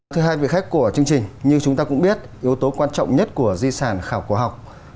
thứ hai vị khách của chương trình như chúng ta cũng biết yếu tố quan trọng nhất của di sản khảo cổ học